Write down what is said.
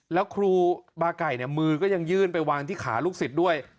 แล้วครูบาไก่มือก็ยังยื่นไปวางที่ขาลูกศิษย์ด้วย